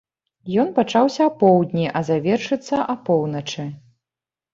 Ён пачаўся апоўдні, а завершыцца апоўначы.